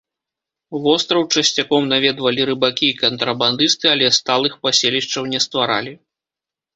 Востраў часцяком наведвалі рыбакі і кантрабандысты, але сталых паселішчаў не стваралі.